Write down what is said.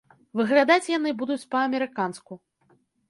Выглядаць яны будуць па-амерыканску.